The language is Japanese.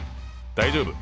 大丈夫！